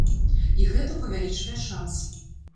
І гэта павялічвае шансы.